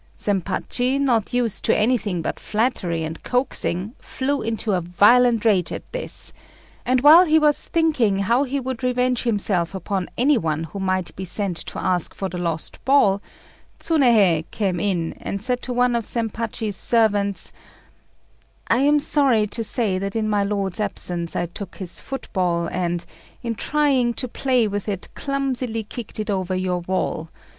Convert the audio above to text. Zempachi, not used to anything but flattery and coaxing, flew into a violent rage at this; and while he was thinking how he would revenge himself upon any one who might be sent to ask for the lost ball, Tsunéhei came in, and said to one of Zempachi's servants "I am sorry to say that in my lord's absence I took his football, and, in trying to play with it, clumsily kicked it over your wall.